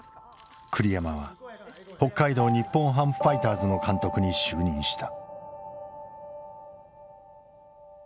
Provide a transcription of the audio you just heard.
栗山は北海道日本ハムファイターズの監督に就任した。